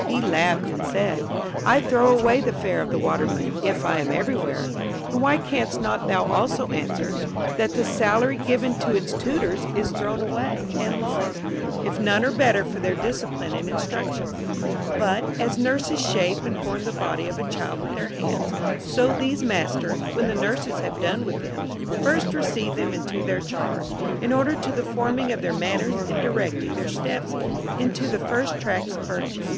he laughed and said, I throw away the fare of the waterman, if I am everywhere. And why canst not thou also answer, that the salary given to tutors is thrown • Plato, Clitophon, p. 407 C. t Aristopli. Nub. 983. 80 THAT VIRTUE MAY BE TAUGHT. away and lost, if none are the better for their discipline and instruction. But, as nurses shape and form the body of a child with their hands, so these masters, when the nurses have done with them, first receive them into their charge, in order to the forming of their manners and directing their steps into the first tracks of virtue.